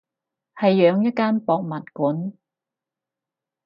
係養一間博物館